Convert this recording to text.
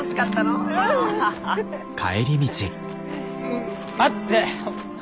うん！ん待って！